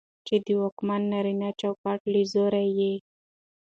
چې د واکمن نارينه چوکاټ له زاويې